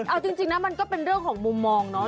เอาจริงนะมันก็เป็นเรื่องของมุมมองเนาะ